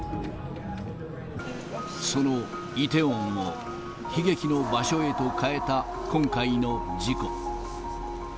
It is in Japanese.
そのイテウォンを、悲劇の場所へと変えた今回の事故。